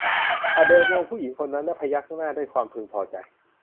อเดลมองผู้หญิงคนนั้นแล้วพยักหน้าด้วยความพึงพอใจ